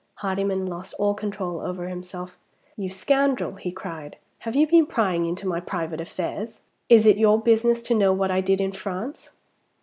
Hardyman lost all control over himself. "You scoundrel!" he cried, "have you been prying into my private affairs? Is it your business to know what I did in France?"